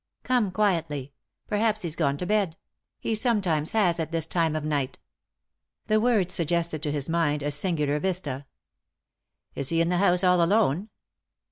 Come quietly ; perhaps he's gone to bed ; he sometimes has at this time of night." The words suggested to his mind a singular vista. " Is he in the house all alone